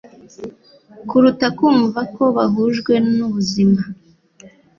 kuruta kumva ko bahujwe n' ubuzima